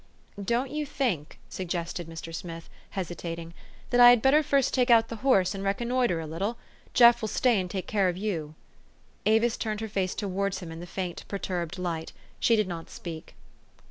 " Don't you think," suggested Mr. Smith, hesitat ing, " that I had better first take out the horse and reconnoitre a little ? Jeff will stay and take care of you." Avis turned her face towards him in the faint, perturbed light : she did not speak.